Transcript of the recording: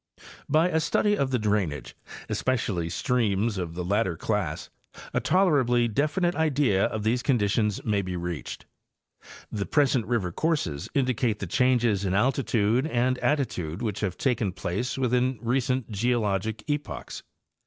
By a study of the drainage, especially streams of the latter class, a tolerably definite idea of these conditions may be reached. The present river courses indicate the changes in altitude and attitude which have taken place within recent geologic epochs.